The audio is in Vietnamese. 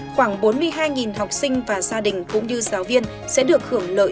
khoảng bốn mươi hai học sinh và gia đình cũng như giáo viên sẽ được hưởng lợi